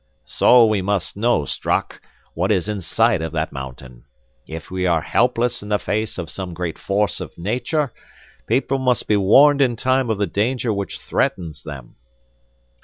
"So we must know, Strock, what is inside of that mountain. If we are helpless in the face of some great force of nature, people must be warned in time of the danger which threatens them."